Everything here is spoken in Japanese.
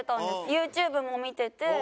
ＹｏｕＴｕｂｅも見てて。